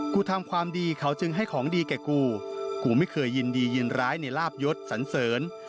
ทำความดีเขาจึงให้ของดีแก่กูกูไม่เคยยินดียินร้ายในลาบยศสันเสริญ